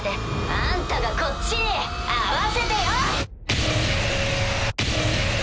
あんたがこっちに合わせてよ！